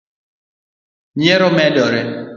nyiero medore